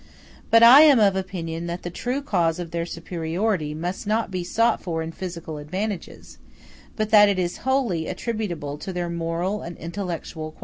But I am of opinion that the true cause of their superiority must not be sought for in physical advantages, but that it is wholly attributable to their moral and intellectual qualities.